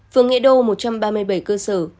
phường nghệ đô một trăm ba mươi bảy cơ sở